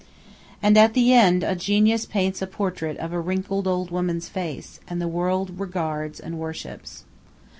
And at the end a genius paints a portrait of a wrinkled old woman's face, and the world regards and worships.